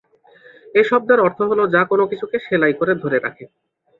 এ শব্দের অর্থ হল যা কোন কিছুকে সেলাই করে ধরে রাখে।